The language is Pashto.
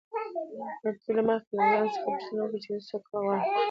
تر ټولو مخکي له ځان څخه پوښتنه وکړئ، چي څه کول غواړئ.